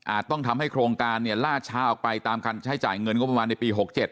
ต้องทำให้โครงการเนี่ยล่าช้าออกไปตามการใช้จ่ายเงินงบประมาณในปี๖๗